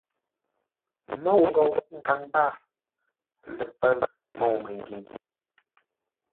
Môu ngou nkaŋ mbâr ləpə̂ʉ môu-məngyě.